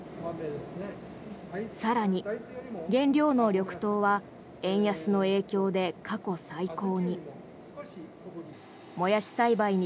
更に原料の緑豆は円安の影響で過去最高に。